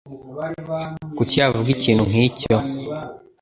Kuki yavuga ikintu nkicyo?